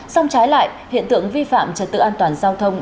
xong trái lại hiện tượng vi phạm trật tự an toàn giao thông